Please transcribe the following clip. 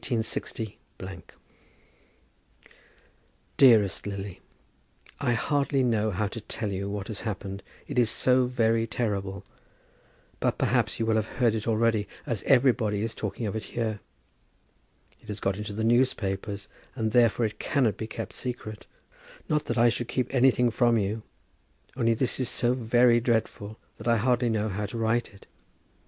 DEAREST LILY, I hardly know how to tell you what has happened, it is so very terrible. But perhaps you will have heard it already, as everybody is talking of it here. It has got into the newspapers, and therefore it cannot be kept secret. Not that I should keep anything from you; only this is so very dreadful that I hardly know how to write it.